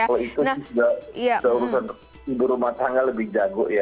kalau itu sih urusan ibu rumah tangga lebih jago ya